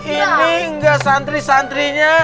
ini gak santri santrinya